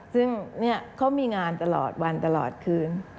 ซึ่งเขามีงานตลอดวันตลอดคืน